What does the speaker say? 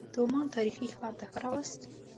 د عمان تاریخي ښار ته ښه راغلاست.